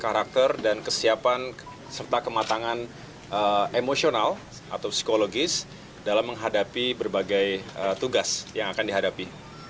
karakter dan kesiapan serta kematangan emosional atau psikologis dalam menghadapi berbagai tugas yang akan dihadapi